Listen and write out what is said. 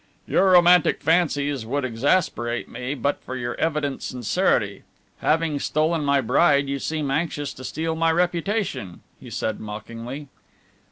"Your romantic fancies would exasperate me, but for your evident sincerity. Having stolen my bride you seem anxious to steal my reputation," he said mockingly.